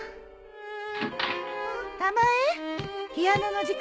うん。